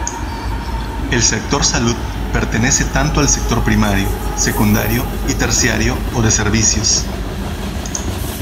El sector salud pertenece tanto al sector primario, secundario y terciario o de servicios.